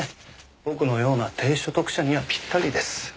僕のような低所得者にはぴったりです。